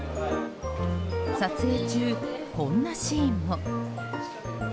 撮影中、こんなシーンも。